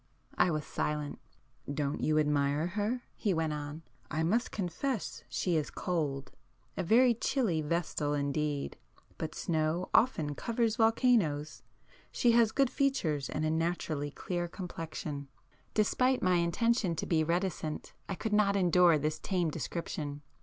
I was silent. "Don't you admire her?" he went on—"I must confess she is cold,—a very chilly vestal indeed,—but snow often covers volcanoes! She has good features, and a naturally clear complexion." Despite my intention to be reticent, I could not endure this tame description.